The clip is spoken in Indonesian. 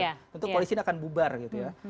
tentu koalisinya akan bubar gitu ya